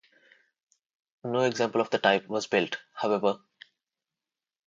No example of the type was built, however.